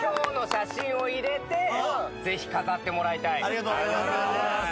ありがとうございます。